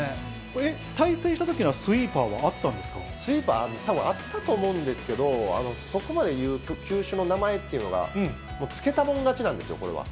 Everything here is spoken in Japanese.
対戦したときにスイーパーはスイーパー、たぶんあったと思うんですけど、そこまでいう球種の名前っていうのが、付けたもの勝ちなんですよ、これは。